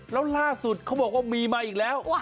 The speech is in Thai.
แล้วล่าสุดเขาบอกว่ามีมาอีกแล้ว